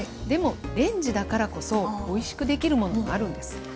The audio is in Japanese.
でもレンジだからこそおいしくできるものもあるんです。